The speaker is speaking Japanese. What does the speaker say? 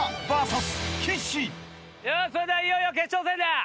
それではいよいよ決勝戦だ。